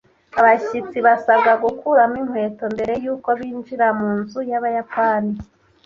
Abashyitsi basabwa gukuramo inkweto mbere yuko binjira munzu yabayapani.